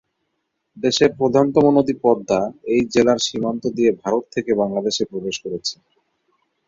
দেশের প্রধানতম নদী পদ্মা এই জেলার সীমান্ত দিয়ে ভারত থেকে বাংলাদেশে প্রবেশ করেছে।